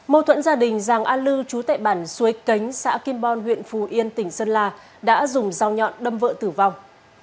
mâu thuẫn gia đình giàng an lư chú tệ bản xuế cánh xã kim bon huyện phù yên tỉnh sơn la đã dùng rau nhọn đâm vợ tử vong